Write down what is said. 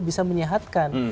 tapi bisa menyehatkan